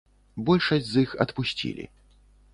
Большасць з іх адпусцілі.